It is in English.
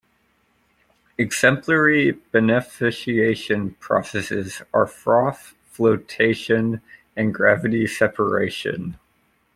Exemplary beneficiation processes are froth flotation and gravity separation.